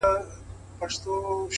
مهرباني زړونه خپلوي؛